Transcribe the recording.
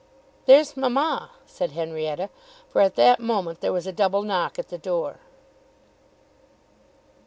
"There's mamma," said Henrietta; for at that moment there was a double knock at the door.